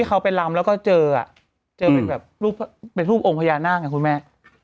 เขาไปลำแล้วก็เจอเจอเป็นแบบรูปเป็นรูปองค์พญานาคไงคุณแม่